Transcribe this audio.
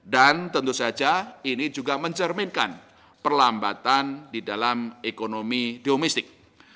dan tentu saja ini juga mencerminkan perlambatan di dalam ekonomi domestik